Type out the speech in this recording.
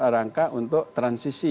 rangka untuk transisi